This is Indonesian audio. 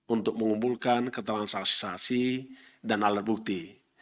untuk mengumpulkan ketelangan saksisasi dan alat bukti